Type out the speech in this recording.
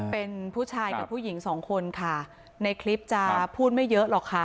เป็นผู้ชายกับผู้หญิงสองคนค่ะในคลิปจะพูดไม่เยอะหรอกค่ะ